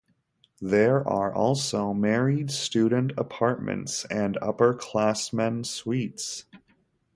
There are also married student apartments and upperclassmen suites.